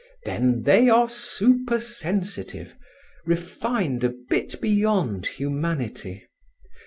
Then they are supersensitive—refined a bit beyond humanity.